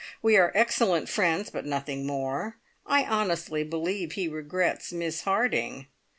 We are excellent friends, but nothing more. I honestly believe he regrets Miss Harding.